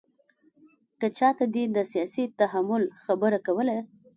که چاته دې د سیاسي تحمل خبره کوله.